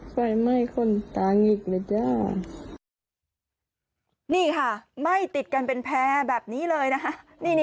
นี่ค่ะไหม้ติดกันเป็นแพงแบบนี้เลยนะคะ